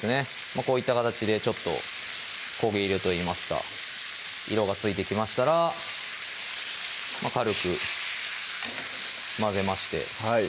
こういった形でちょっと焦げ色といいますか色がついてきましたら軽く混ぜましてはい